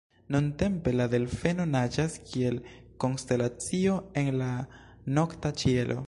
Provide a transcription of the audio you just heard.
Nuntempe la Delfeno naĝas kiel konstelacio en la nokta ĉielo.